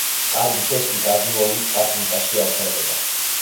კარგი თესლი კარგი მოვლით კარგ მიწაში არ დალპება